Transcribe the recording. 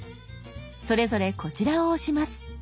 それぞれこちらを押します。